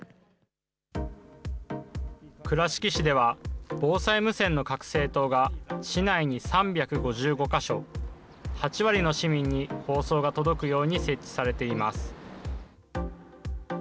倉敷市では防災無線の拡声塔が市内に３５５か所、８割の市民に放送が届くように設置されています。